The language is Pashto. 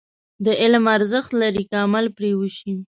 علم ارزښت لري، که عمل پرې وشي.